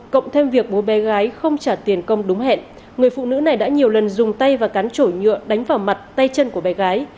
cộng thêm việc bố bé gái không trả tiền công đúng hẹn người phụ nữ này đã nhiều lần dùng tay và cán trổi nhựa đánh vào mặt tay chân của bé gái